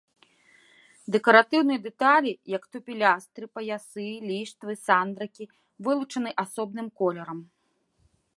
Дэкаратыўныя дэталі, як то пілястры, паясы, ліштвы, сандрыкі, вылучаны асобным колерам.